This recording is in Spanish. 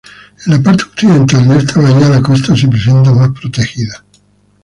En la parte occidental de esta bahía la costa se presenta más protegida.